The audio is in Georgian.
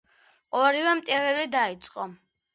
ორივემ ტირილი დაიწყო